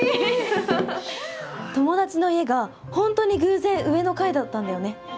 友達の家が本当に偶然上の階だったんだよね。